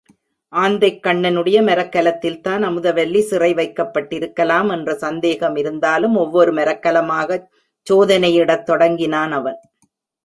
ஆந்தைக்கண்ணனுடைய மரக்கலத்தில்தான் அமுதவல்லி சிறை வைக்கப்பட்டிருக்கலாம் என்ற சந்தேகம் இருந்தாலும் ஒவ்வொரு மரக்கலமாகச் சோதனையிடத் தொடங்கினான் அவன்.